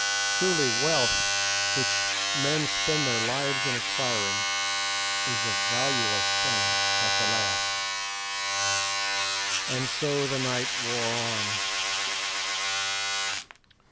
Truly wealth, which men spend their lives in acquiring, is a valueless thing at the last. And so the night wore on.